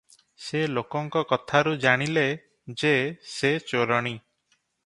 ସେ ଲୋକଙ୍କ କଥାରୁ ଜାଣିଲେ ଯେ ସେ ଚୋରଣୀ ।